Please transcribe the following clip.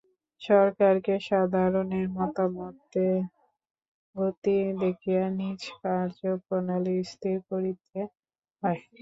সরকারকে সাধারণের মতামতের গতি দেখিয়া নিজ কার্যপ্রণালী স্থির করিতে হয়।